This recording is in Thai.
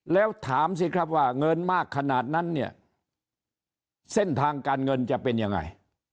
แล้วถามสิครับว่าเงินมากขนาดนั้นเนี่ยเส้นทางการเงินจะเป็นยังไง